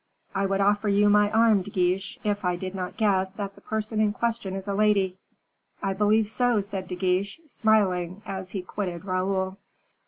"I would offer you my arm, De Guiche, if I did not guess that the person in question is a lady." "I believe so," said De Guiche, smiling as he quitted Raoul.